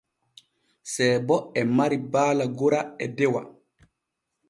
Seebo e mari baala gora e dewa.